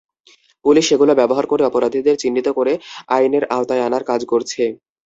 Police সেগুলো ব্যবহার করে অপরাধীদের চিহ্নিত করে আইনের আওতায় আনার কাজ করছে।